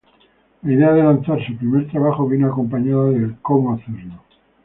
La idea de lanzar su primer trabajo vino acompañada del cómo hacerlo.